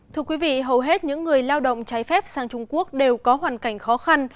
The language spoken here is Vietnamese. thưa quý vị hầu hết những người lao động trái phép sang trung quốc đều có hoàn cảnh khó khăn